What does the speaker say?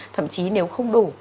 thậm chí nếu không đủ